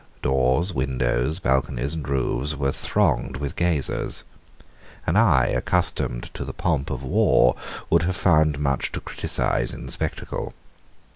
Doors, windows, balconies, and roofs were thronged with gazers. An eye accustomed to the pomp of war would have found much to criticize in the spectacle.